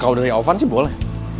kalau udah nyanyi alvan sih boleh